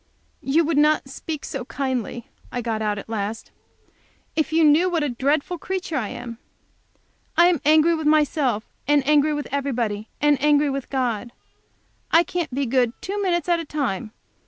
"You would not speak so kindly," I got out at last, "if you knew what a dreadful creature I am. I am angry with myself, and angry with everybody, and angry with God. I can't be good two minutes at a time.